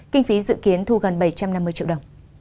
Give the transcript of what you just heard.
kinh phí dự kiến thu gần bảy trăm năm mươi triệu đồng